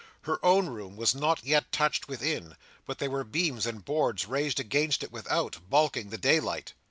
Her own room was not yet touched within, but there were beams and boards raised against it without, baulking the daylight.